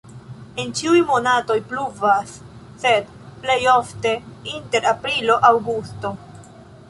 En ĉiuj monatoj pluvas, sed plej ofte inter aprilo-aŭgusto.